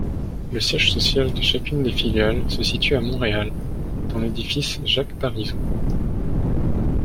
Le siège social de chacune des filiales se situe à Montréal, dans l'Édifice Jacques-Parizeau.